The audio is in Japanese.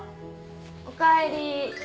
おかえり。